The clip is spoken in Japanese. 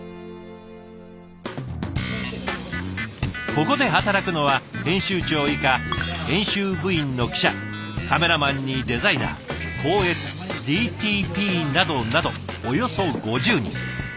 ここで働くのは編集長以下編集部員の記者カメラマンにデザイナー校閲ＤＴＰなどなどおよそ５０人。